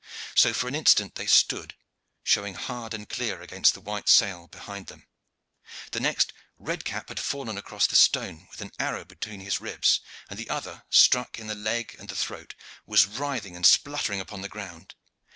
So for an instant they stood, showing hard and clear against the white sail behind them. The next, redcap had fallen across the stone with an arrow between his ribs; and the other, struck in the leg and in the throat, was writhing and spluttering upon the ground.